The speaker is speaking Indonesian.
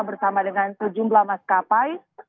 bersama dengan sejumlah maskapai